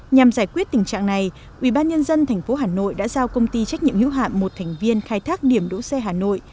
nhằm giải quyết tình trạng này ubnd tp hà nội đã giao công ty trách nhiệm hữu hạm một thành viên khai thác điểm đỗ xe hà nội